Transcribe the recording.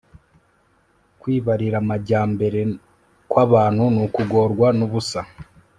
Kwibariramajyambere kwabantu nukugorwa nubusa